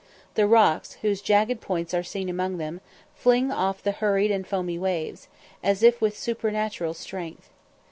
The rocks, whose jagged points are seen among them, fling off the hurried and foamy waves, as if with supernatural strength.